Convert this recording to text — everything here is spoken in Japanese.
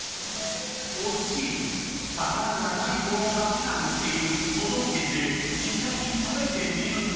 ［おすしに魚じゃないものだけがのっている都道府県で実際に食べてみると］